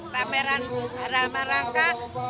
pameran rama rama rangka